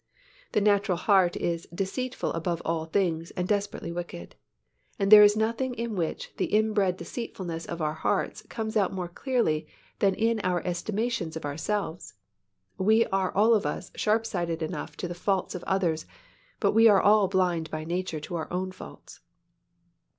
The natural heart is "deceitful above all things and desperately wicked," and there is nothing in which the inbred deceitfulness of our hearts comes out more clearly than in our estimations of ourselves. We are all of us sharp sighted enough to the faults of others but we are all blind by nature to our own faults.